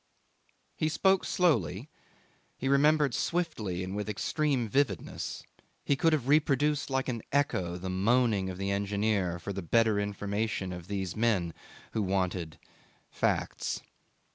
...' He spoke slowly; he remembered swiftly and with extreme vividness; he could have reproduced like an echo the moaning of the engineer for the better information of these men who wanted facts.